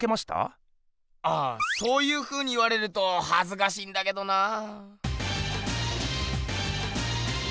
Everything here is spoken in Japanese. あそういうふうに言われるとはずかしいんだけどなあ。